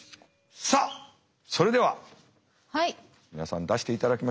さあそれでは皆さん出していただきましょう。